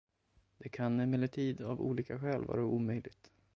Det kan emellertid av olika skäl vara omöjligt.